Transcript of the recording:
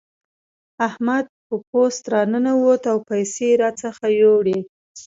احمد په پوست راننوت او پيسې راڅخه يوړې.